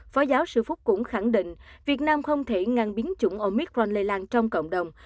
phó giáo sư phúc cũng khẳng định việt nam không thể ngăn biến chủng omic ron lây lan trong cộng đồng